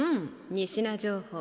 仁科情報。